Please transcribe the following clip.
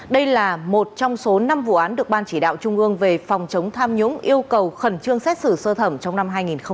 đây là một trong số năm vụ án được ban chỉ đạo trung ương về phòng chống tham nhũng yêu cầu khẩn trương xét xử sơ thẩm trong năm hai nghìn hai mươi